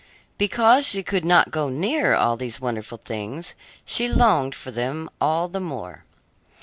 Because she could not go near all these wonderful things, she longed for them all the more.